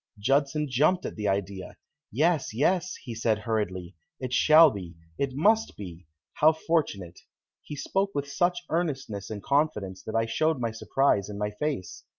Judson jumped at the idea. "Yes, yes," he said hurriedly, "it shall be it must be. How fortunate!" He spoke with such earnestness and confidence that I showed my surprise in my face.